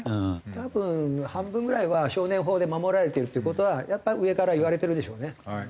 多分半分ぐらいは少年法で守られてるっていう事はやっぱり上から言われてるでしょうね。